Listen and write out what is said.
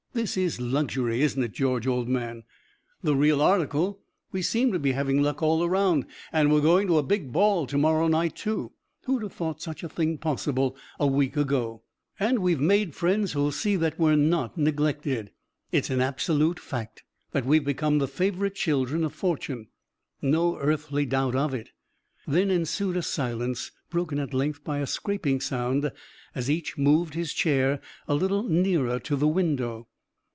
This is luxury, isn't it, George, old man?" "The real article. We seem to be having luck all around. And we're going to a big ball to morrow night, too. Who'd have thought such a thing possible a week ago?" "And we've made friends who'll see that we're not neglected." "It's an absolute fact that we've become the favorite children of fortune." "No earthly doubt of it." Then ensued a silence, broken at length by a scraping sound as each moved his chair a little nearer to the window.